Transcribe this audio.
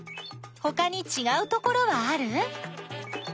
ほかにちがうところはある？